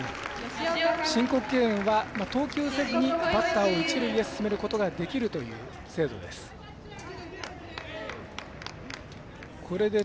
申告敬遠は投球せずにバッターを一塁へ進めることができるという制度です。